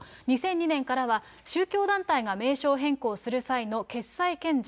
２００２年からは宗教団体が名称変更する際の決裁権者。